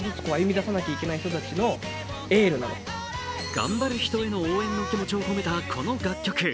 頑張る人への応援の気持ちを込めたこの楽曲。